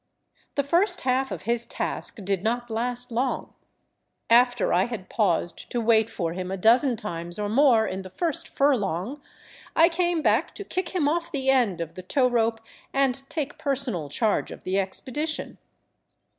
The first half of his task did not last long. After I had paused to wait for him a dozen times or more in the first furlong, I came back to kick him off the end of the tow rope and take personal charge of the expedition.